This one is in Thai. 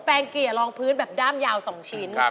งเกลี่ยรองพื้นแบบด้ามยาว๒ชิ้น